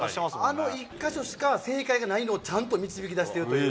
あの１か所しか正解がないのをちゃんと導き出しているという。